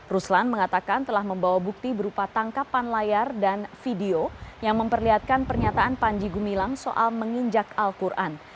ruslan mengatakan telah membawa bukti berupa tangkapan layar dan video yang memperlihatkan pernyataan panji gumilang soal menginjak al quran